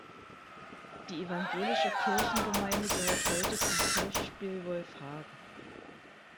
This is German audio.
Die Evangelische Kirchengemeinde gehört heute zum Kirchspiel Wolfhagen.